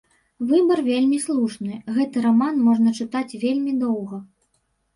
Выбар вельмі слушны, гэты раман можна чытаць вельмі доўга.